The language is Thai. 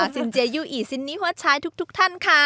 จินเจยุอีจินนี่ฮัศจาญทุกท่านค่ะ